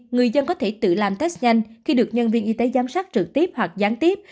người dân có thể tự làm test nhanh khi được nhân viên y tế giám sát trực tiếp hoặc gián tiếp